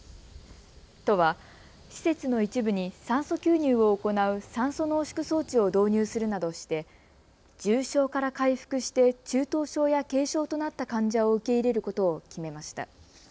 都は施設の一部に酸素吸入を行う酸素濃縮装置を導入するなどして重症から回復して中等症や軽症となった患者を受け入れることを決めました。